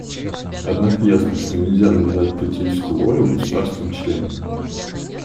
Однако ясно, что нельзя навязать политическую волю государствам-членам.